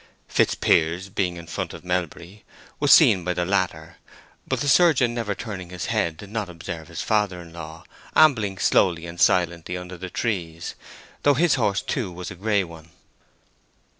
Fitzpiers being in front of Melbury was seen by the latter, but the surgeon, never turning his head, did not observe his father in law, ambling slowly and silently along under the trees, though his horse too was a gray one.